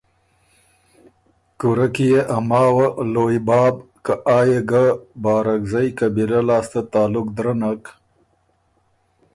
کُورۀ کی يې ا ماوه ”لویٛ باب“ که آ يې ګۀ بارکزئ قبیلۀ لاسته تعلق درنک